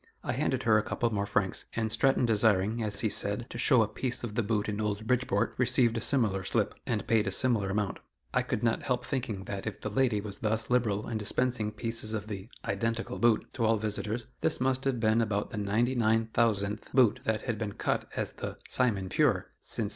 I handed her a couple more francs, and Stratton desiring, as he said, to "show a piece of the boot in old Bridgeport," received a similar slip, and paid a similar amount. I could not help thinking that if the lady was thus liberal in dispensing pieces of the "identical boot" to all visitors, this must have been about the ninety nine thousandth boot that had been cut as the "Simon pure" since 1815.